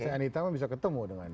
saya anitama bisa ketemu dengan